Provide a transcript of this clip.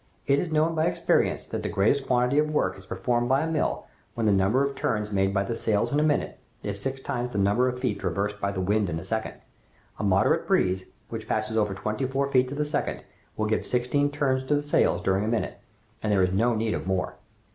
"It is known by experience that the greatest quantity of work is performed by a mill when the number of turns made by the sails in a minute is six times the number of feet traversed by the wind in a second. A moderate breeze, which passes over twenty four feet to the second, will give sixteen turns to the sails during a minute, and there is no need of more."